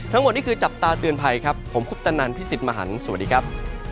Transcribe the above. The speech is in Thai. ทั้งหมดนี่คือจับตาเตือนภัยครับผมคุปตนันพี่สิทธิ์มหันฯสวัสดีครับ